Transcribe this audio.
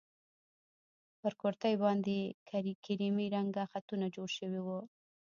پر کورتۍ باندې يې کيريمي رنګه خطونه جوړ شوي وو.